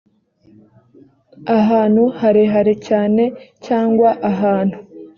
ahantu harehare cyane cyangwa ahantu